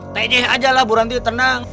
tegih aja lah burang dia tenang